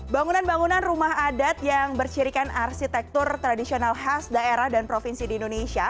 bangunan bangunan rumah adat yang bercirikan arsitektur tradisional khas daerah dan provinsi di indonesia